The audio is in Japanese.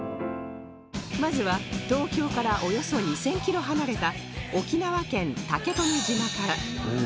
まずは東京からおよそ２０００キロ離れた沖縄県竹富島から